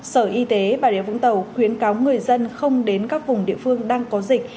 sở y tế bà rịa vũng tàu khuyến cáo người dân không đến các vùng địa phương đang có dịch